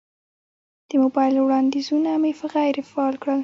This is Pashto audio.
د موبایل وړاندیزونه مې غیر فعال کړل.